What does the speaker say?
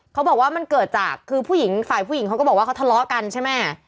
เขาบอกว่ามันเกิดจากคือผู้หญิงฝ่ายผู้หญิงเขาก็บอกว่าเขาทะเลาะกันใช่ไหม